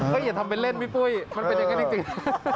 ก็อย่าทำเป็นเล่นพี่ปุ้ยมันเป็นอย่างนั้นจริง